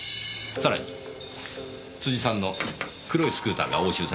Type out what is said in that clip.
さらに辻さんの黒いスクーターが押収されています。